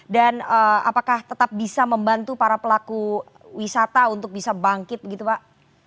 dan apakah tetap bisa membantu para pelaku wisata untuk bisa bangkit gitu pak